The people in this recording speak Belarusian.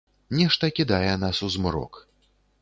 Нешта кідае нас у змрок.